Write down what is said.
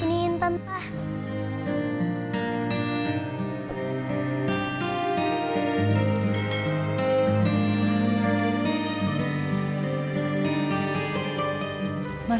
ini intan pak